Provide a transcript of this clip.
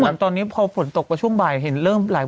รอก่อนระบายเนอะ